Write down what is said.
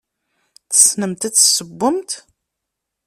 Tessnemt ad tessewwemt?